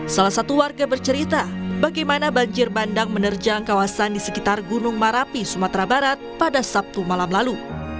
salah satu warga bercerita bagaimana banjir bandang menerjang kawasan di sekitar gunung marapi sumatera barat pada sabtu malam lalu